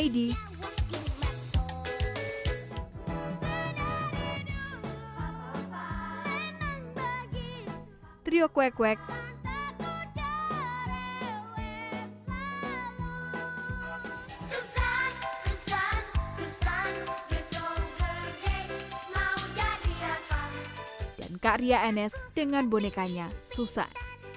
dan karya enes dengan bonekanya susah